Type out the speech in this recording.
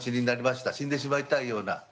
死んでしまいたいような。